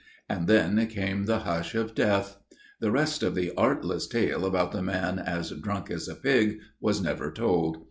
And then came the hush of death. The rest of the artless tale about the man as drunk as a pig was never told.